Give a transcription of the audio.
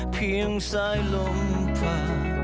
เพียงสายลมผ่า